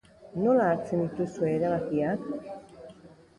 Nola hartzen dituzue erabakiak?